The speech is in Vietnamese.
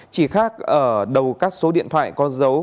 chỉ khác ở đầu các số điện thoại có dấu